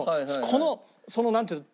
このそのなんていうの？